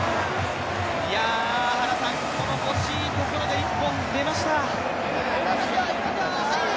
原さん、この欲しいところで一本出ました。